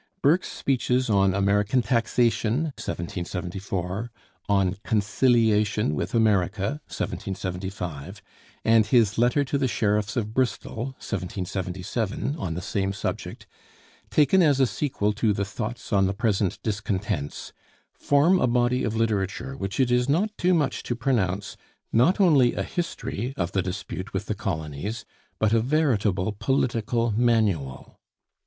Burke's speeches on 'American Taxation' (1774), on 'Conciliation with America' (1775), and his 'Letter to the Sheriffs of Bristol' (1777) on the same subject, taken as a sequel to the 'Thoughts on the Present Discontents,' form a body of literature which it is not too much to pronounce not only a history of the dispute with the colonies, but a veritable political manual.